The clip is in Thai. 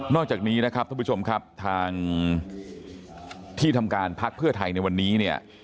จากนี้นะครับท่านผู้ชมครับทางที่ทำการพักเพื่อไทยในวันนี้เนี่ย